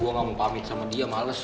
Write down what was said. gue gak mau pamit sama dia males